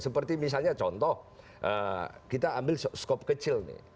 seperti misalnya contoh kita ambil skop kecil nih